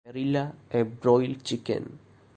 Marilla, a broiled chicken!